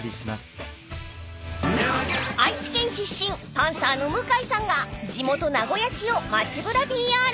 パンサーの向井さんが地元名古屋市を街ぶらＰＲ］